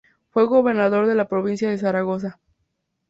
Fue Gobernador de la provincia de Zaragoza.